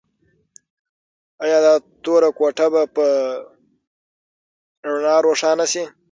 ایا دا توره کوټه به په رڼا روښانه شي؟